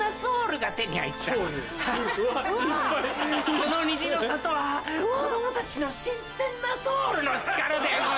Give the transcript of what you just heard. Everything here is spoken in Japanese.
この虹の郷は子供たちの新鮮なソウルの力で動いている。